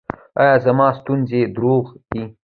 ایا زما ستونی روغ دی؟